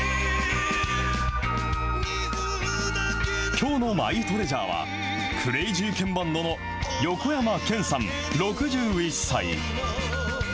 きょうのマイトレジャーは、クレイジーケンバンドの横山剣さん６１歳。